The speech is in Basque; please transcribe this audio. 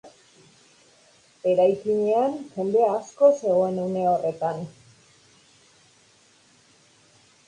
Eraikinean jende asko zegoen une horretan.